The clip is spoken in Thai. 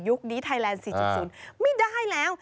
นี้ไทยแลนด์๔๐ไม่ได้แล้ว